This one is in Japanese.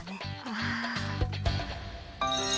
ああ。